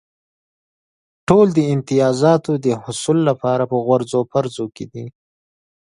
ټول د امتیازاتو د حصول لپاره په غورځو پرځو کې دي.